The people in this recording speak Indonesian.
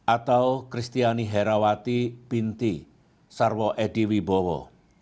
atau kristiani herawati binti sarwo edi wibowo